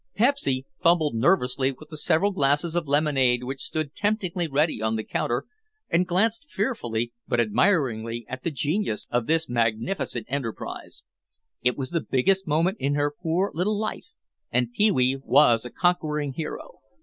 Pepsy fumbled nervously with the several glasses of lemonade which stood temptingly ready on the counter and glanced fearfully but admiringly at the genius of this magnificent enterprise. It was the biggest moment in her poor little life and Pee wee was a conquering hero.